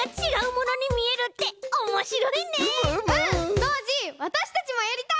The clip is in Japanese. ノージーわたしたちもやりたい！